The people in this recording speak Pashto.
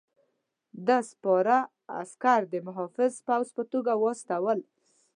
ده سپاره عسکر د محافظ پوځ په توګه واستول.